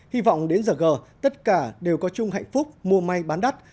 hi vọng đến giờ gờ tất cả đều có chung hạnh phúc mùa may bán đắt